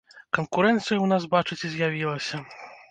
Канкурэнцыя ў нас, бачыце, з'явілася!